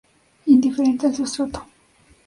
Indiferente al sustrato.